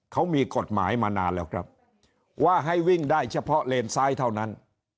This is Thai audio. เขามีกฎหมายมานานแล้วครับว่าให้วิ่งได้เฉพาะเลนซ้ายเท่านั้น